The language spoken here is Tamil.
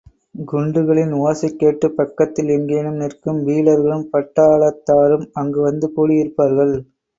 குண்டுகளின் ஓசை கேட்டுப் பக்கத்தில் எங்கேனும் நிற்கும் பீலர்களும் பட்டாளத்தாரும் அங்கு வந்து கூடியிருப்பார்கள்.